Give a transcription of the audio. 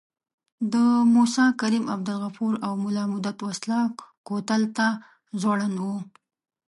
د موسی کلیم، عبدالغفور او ملا مدت وسله کوتل ته ځوړند وو.